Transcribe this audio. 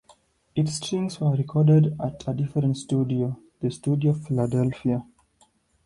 Its strings were recorded at a different studio: The Studio, Philadelphia.